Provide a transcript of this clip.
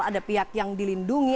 ada pihak yang dilindungi